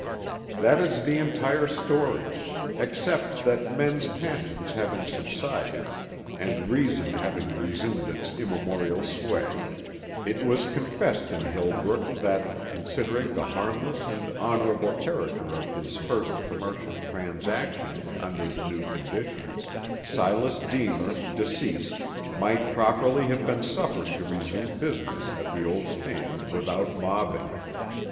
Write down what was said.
That is the entire story—except that men's passions having subsided and reason having resumed its immemorial sway, it was confessed in Hillbrook that, considering the harmless and honorable character of his first commercial transaction under the new conditions, Silas Deemer, deceased, might properly have been suffered to resume business at the old stand without mobbing.